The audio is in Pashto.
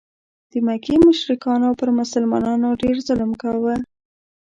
د مکې مشرکانو پر مسلمانانو ډېر ظلم کاوه.